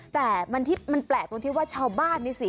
แต่มันแปลกว่าชาวบ้าน